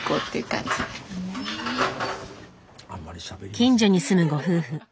近所に住むご夫婦。